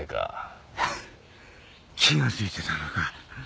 ハッ気がついてたのか。